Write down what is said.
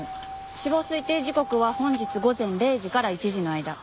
死亡推定時刻は本日午前０時から１時の間。